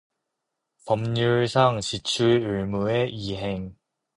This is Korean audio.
법률상 지출의무의 이행